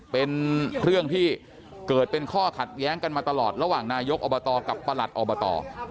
เป็นเรื่องที่เกิดเป็นข้อขัดแย้งกันมาตลอดระหว่างนายกอบตกับประหลัดอบต